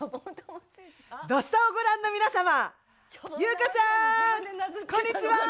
「土スタ」をご覧の皆様優香ちゃん、こんにちは。